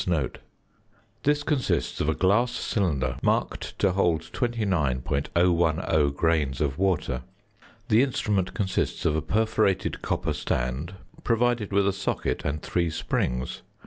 This consists of a glass cylinder marked to hold 29.010 grains of water. The instrument consists of a perforated copper stand, provided with a socket and three springs.